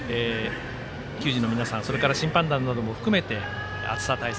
球児の皆さん、それから審判団なども含めて、暑さ対策